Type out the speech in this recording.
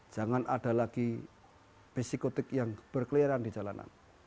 jangan ada lagi psikotik yang berkeliran di jalan